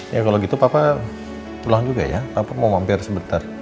ya kalau gitu papa pulang juga ya apa mau mampir sebentar